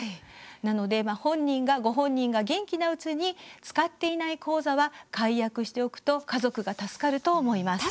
なので、ご本人が元気なうちに使っていない口座は解約しておくと家族が助かると思います。